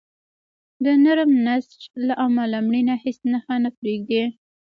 د نرم نسج له امله مړینه هیڅ نښه نه پرېږدي.